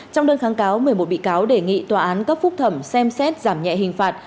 trong đơn kháng cáo một mươi một bị cáo đề nghị tòa án cấp phúc thẩm xem xét giảm nhẹ hình phạt